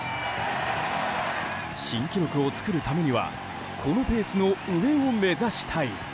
新記録を作るためにはこのペースの上を目指したい。